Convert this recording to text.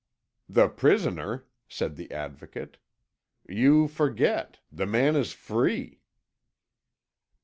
"The prisoner!" said the Advocate. "You forget. The man is free."